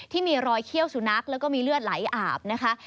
ที่มีรอยเขี้ยวสุนัขแล้วก็มีเลือดไหลอาบนะคะ